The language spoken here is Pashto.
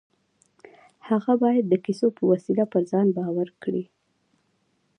هغه بايد د کيسو په وسيله پر ځان باور کړي.